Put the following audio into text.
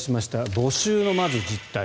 募集のまず実態。